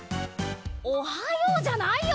「おはよう」じゃないよ！